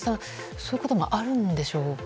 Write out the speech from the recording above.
そういうこともあるんでしょうか？